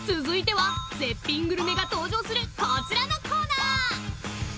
［続いては絶品グルメが登場するこちらのコーナー］